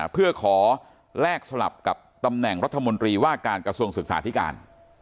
เพื่อขอแลกสลับกับตำแหน่งรัฐมนตรีว่าการกระทรวงศึกษาธิการ